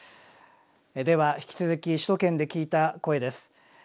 では引き続き首都圏で聞いた声です。